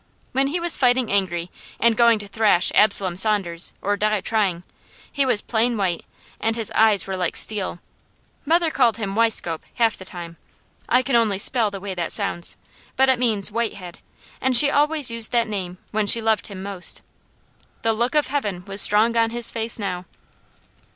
When he was fighting angry, and going to thrash Absalom Saunders or die trying, he was plain white and his eyes were like steel. Mother called him "Weiscope," half the time. I can only spell the way that sounds, but it means "white head," and she always used that name when she loved him most. "The look of heaven" was strong on his face now.